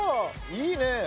いいね！